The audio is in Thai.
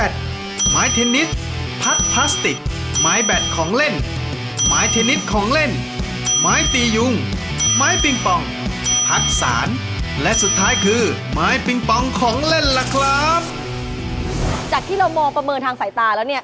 จากที่เรามองประเมินทางสายตาแล้วเนี่ย